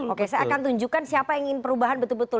oke saya akan tunjukkan siapa yang ingin perubahan betul betul